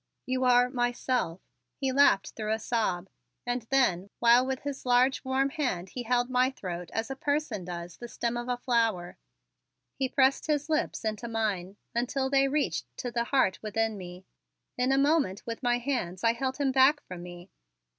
"You are myself," he laughed through a sob, and then, while with his large warm hand he held my throat as a person does the stem of a flower, he pressed his lips into mine until they reached to the heart within me. In a moment with my hands I held him back from me.